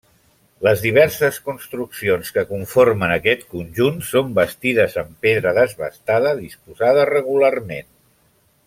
Les diverses construccions que conformen aquest conjunt són bastides en pedra desbastada disposada regularment.